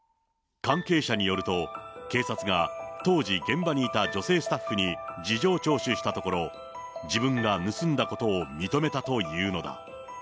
関係者によると、警察が、当時、現場にいた女性スタッフに事情聴取したところ、自分が盗んだことを認めたというのだ。